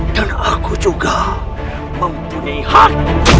dan aku juga mempunyai hak